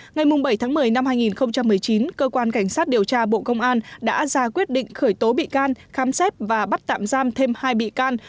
ngày bảy tháng một mươi năm hai nghìn một mươi chín cơ quan cảnh sát điều tra bộ công an đã ra quyết định khởi tố bị can khám xét và bắt tạm giam thêm hai bị can